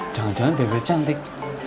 jangan jangan bebek cantik